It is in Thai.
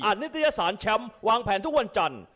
นิตยสารแชมป์วางแผนทุกวันจันทร์